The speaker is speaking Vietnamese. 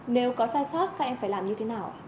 nếu có sai sót các em phải làm như thế nào ạ